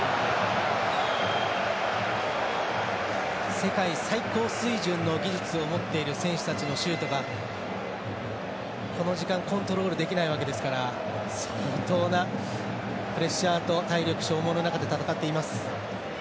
世界最高水準の技術を持っている選手たちのシュートがこの時間コントロールできないわけですから相当なプレッシャーと体力消耗の中で戦っています。